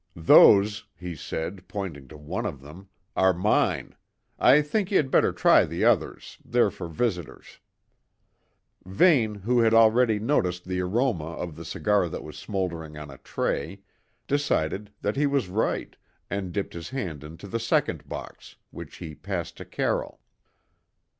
"Those," he said, pointing to one of them, "are mine. I think ye had better try the others; they're for visitors." Vane, who had already noticed the aroma of the cigar that was smouldering on a tray, decided that he was right, and dipped his hand into the second box, which he passed to Carroll.